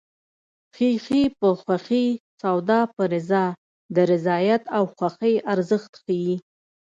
خیښي په خوښي سودا په رضا د رضایت او خوښۍ ارزښت ښيي